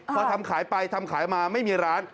พอทำขายไปทำขายมาไม่มีร้าน